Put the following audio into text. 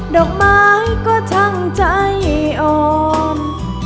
ดอกไม้ก็ช่างใจออม